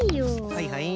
はいはい。